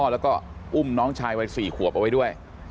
แล้วก็อุ้มน้องชายวัย๔ขวบเอาไว้ด้วย